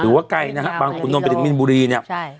หรือว่าไกลนะครับบางขุนนท์ไปถึงมิลบุรีเนี่ย